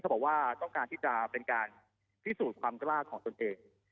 บอกว่าต้องการที่จะเป็นการพิสูจน์ความกล้าของตนเอง